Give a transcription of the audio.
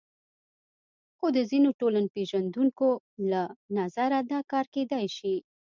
خو د ځینو ټولنپېژندونکو له نظره دا کار کېدای شي.